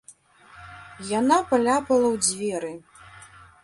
Яна паляпала ў дзверы.